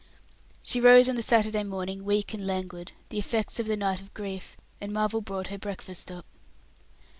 She rose on the Saturday morning weak and languid, the effects of the night of grief, and Marvel brought her breakfast up.